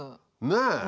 ねえ！